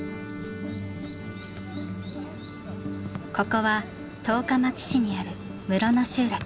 ここは十日町市にある室野集落。